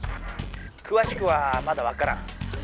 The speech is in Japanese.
くわしくはまだわからん。